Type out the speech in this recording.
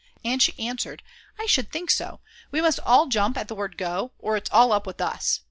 And she answered: "I should think so; we must all jump at the word go or it's all up with us!"